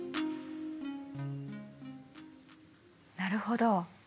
なるほど。